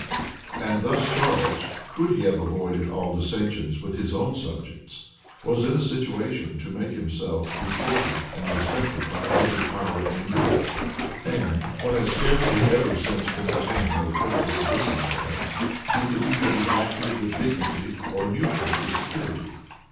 And thus Charles, could he have avoided all dissensions with his own subjects, was in a situation to make himself be courted and respected by every power in Europe; and, what has scarcely ever since been attained by the princes of this island, he could either be active with dignity, or neutral with security.